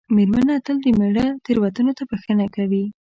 مېرمنه تل د مېړه تېروتنو ته بښنه کوي.